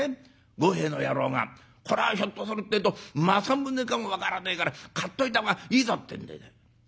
ごへえの野郎が『こらひょっとするてえと正宗かも分からねえから買っといた方がいいぞ』ってんでね。